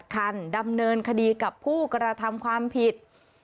คันดำเนินคดีกับผู้กระทำความผิด